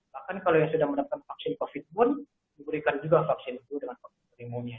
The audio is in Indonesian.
bahkan kalau yang sudah mendapatkan vaksin covid pun diberikan juga vaksin itu dengan vaksin pneumonia